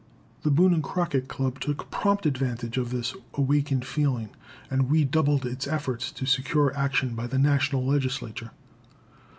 The Boone and Crockett Club took prompt advantage of this awakened feeling, and redoubled its efforts to secure action by the National Legislature.